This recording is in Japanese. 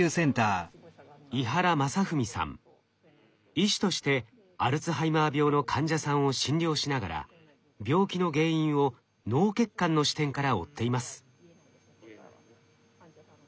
医師としてアルツハイマー病の患者さんを診療しながら病気の原因を脳血管の視点から追っています。